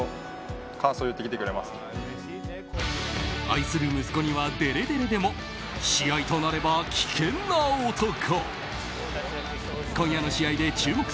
愛する息子にはデレデレでも試合となれば危険な男。